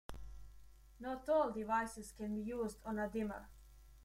Not all devices can be used on a dimmer.